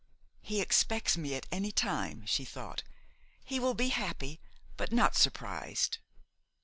"He expects me at any time," she thought; "he will be happy but not surprised."